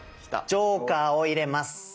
ジョーカーを入れます！